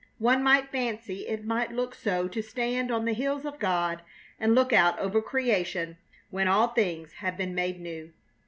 One might fancy it might look so to stand on the hills of God and look out over creation when all things have been made new.